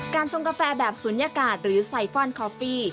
ทรงกาแฟแบบศูนยากาศหรือไซฟอนคอฟฟี่